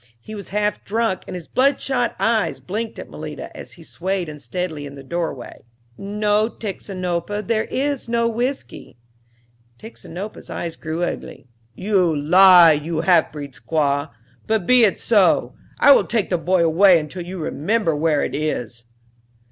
He was half drunk, and his bloodshot eyes blinked at Malita as he swayed unsteadily in the doorway. "No, Tixinopa, there is no whiskey." Tixinopa's eyes grew ugly. "You lie, you half breed squaw; but be it so, I will take the boy away until you remember where it is."